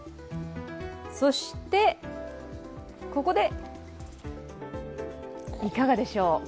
そして、ここでいかがでしょう？